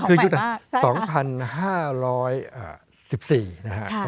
คืออยู่ตอน๒๕๑๔นะฮะ